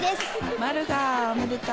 マルガおめでとう。